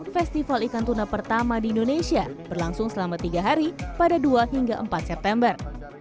festival ikan tuna pertama di indonesia berlangsung selama tiga hari pada dua hingga empat september